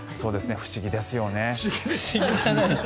不思議ですよね。